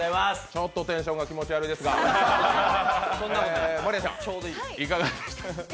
ちょっとテンションが気持ち悪いですが、真莉愛ちゃん、いかがでしたか？